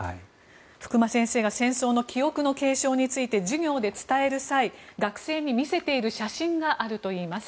福間先生が戦争の記憶の継承について授業で伝える際学生に見せている写真があるといいます。